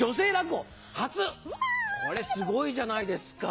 これすごいじゃないですか。